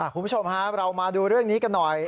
คุณผู้ชมฮะเรามาดูเรื่องนี้กันหน่อย